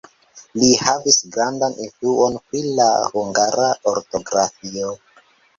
Li havis grandan influon pri la hungara ortografio.